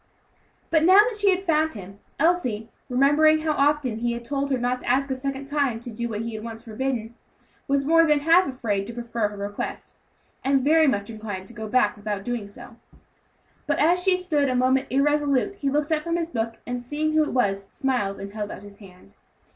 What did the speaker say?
But now that she had found him, Elsie, remembering how often he had told her never to ask a second time to do what he had once forbidden, was more than half afraid to prefer her request, and very much inclined to go back without doing so. But as she stood a moment irresolute, he looked up from his book, and seeing who it was, smiled and held out his hand.